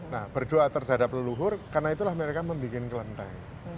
nah berdoa terhadap leluhur karena itulah mereka membuat kelenteng